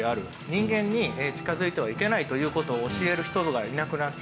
人間に近づいてはいけない」という事を教える人がいなくなって。